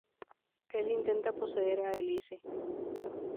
Él intenta poseer a Elise.